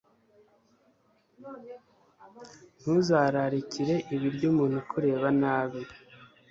ntuzararikire ibiryo umuntu ukureba nabi